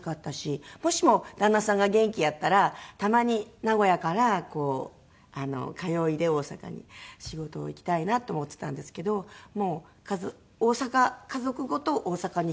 もしも旦那さんが元気やったらたまに名古屋から通いで大阪に仕事を行きたいなと思っていたんですけどもう家族ごと大阪に引っ越そうっていう事になって。